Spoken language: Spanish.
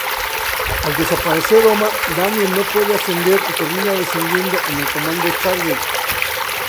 Al desaparecer Oma, Daniel no puede ascender, y termina descendiendo en el Comando Stargate.